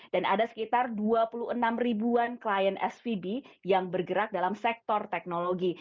dan ada sekitar dua puluh enam ribuan klien svb yang bergerak dalam sektor teknologi